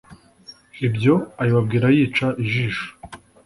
Ibyo abibabwira yica ijisho!